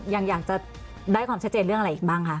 อยากจะได้ความชัดเจนเรื่องอะไรอีกบ้างคะ